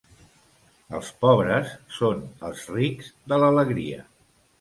Els pobres són els rics de l'alegria.